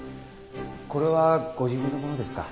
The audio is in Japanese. これはご自分のものですか？